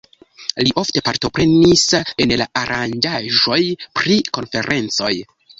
Li ofte partoprenis en aranĝaĵoj pri konferencoj.